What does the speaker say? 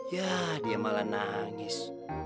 ya dia malah nangis